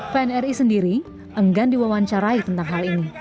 pnri sendiri enggan diwawancarai tentang hal ini